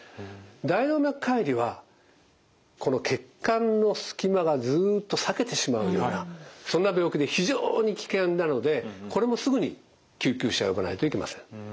大動脈解離はこの血管の隙間がずっと裂けてしまうようなそんな病気で非常に危険なのでこれもすぐに救急車を呼ばないといけません。